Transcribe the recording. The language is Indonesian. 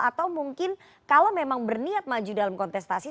atau mungkin kalau memang berniat maju dalam kontestasi